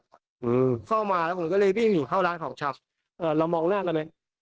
อืมเข้ามาแล้วผมก็เลยบินหนีเข้าร้านของชับเอ่อเรามองแล้วอะไรไหม